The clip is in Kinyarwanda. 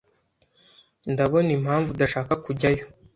Ndabona impamvu udashaka kujyayo.